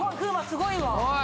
すごいわ。